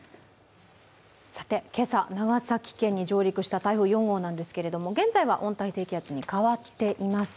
今朝、長崎県に上陸した台風４号なんですけれども現在は温帯低気圧に変わっています。